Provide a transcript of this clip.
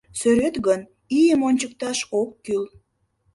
Сӧрет гын, ийым ончыкташ ок кӱл.